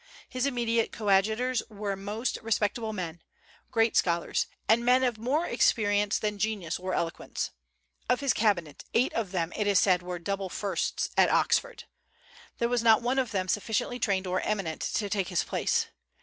His immediate coadjutors were most respectable men, great scholars, and men of more experience than genius or eloquence. Of his cabinet, eight of them it is said were "double firsts" at Oxford. There was not one of them sufficiently trained or eminent to take his place.